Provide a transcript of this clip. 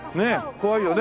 怖いよね。